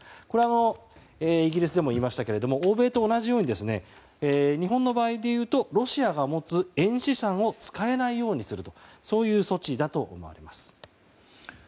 これはイギリスでも言いましたけれども欧米と同じように日本の場合でいうとロシアが持つ円資産を使えないようにするというそういう措置だと思われます。